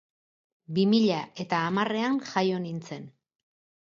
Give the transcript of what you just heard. Bi mila eta hamarrean jaio nintzen.